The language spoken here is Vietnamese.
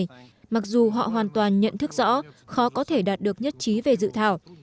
nhưng họ hoàn toàn nhận thức rõ khó có thể đạt được nhất trí về dự thảo